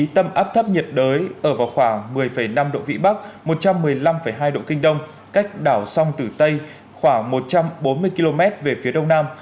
tâm áp thấp nhiệt đới ở vào khoảng một mươi năm độ vĩ bắc một trăm một mươi năm hai độ kinh đông cách đảo sông tử tây khoảng một trăm bốn mươi km về phía đông nam